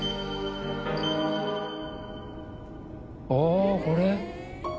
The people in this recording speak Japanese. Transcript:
あこれ？